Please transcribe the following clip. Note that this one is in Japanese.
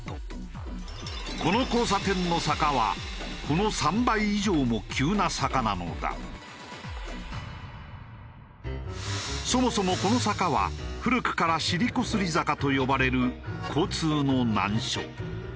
この交差点の坂はこのそもそもこの坂は古くから「尻こすり坂」と呼ばれる交通の難所。